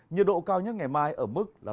nhiệt độ cao nhất ngày mai ở mức là